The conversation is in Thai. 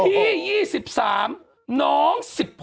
พี่๑๓บาทน้อง๑๖บาท